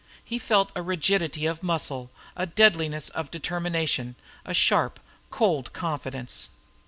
He felt a rigidity of muscle, a deadliness of determination, a sharp, cold confidence.